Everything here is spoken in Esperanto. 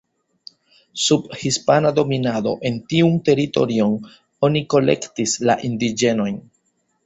Sub hispana dominado en tiun teritorion oni kolektis la indiĝenojn.